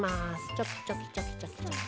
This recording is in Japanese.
チョキチョキチョキチョキチョキ。